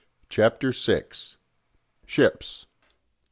CHAPTER VI. SHIPS.